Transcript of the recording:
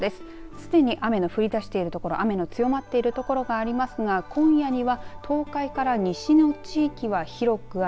すでに雨の降りだしている所雨の強まっている所がありますが今夜には東海から西の地域は広く雨。